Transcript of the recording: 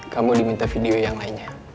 kamu diminta video yang lainnya